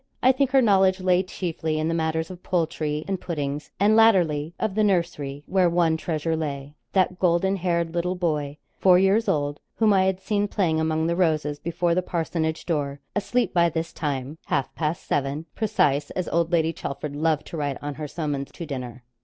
I think her knowledge lay chiefly in the matters of poultry, and puddings, and latterly, of the nursery, where one treasure lay that golden haired little boy, four years old, whom I had seen playing among the roses before the parsonage door, asleep by this time half past seven, 'precise,' as old Lady Chelford loved to write on her summons to dinner.